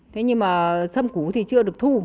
thế nhưng mà sâm cũ thì chưa được thu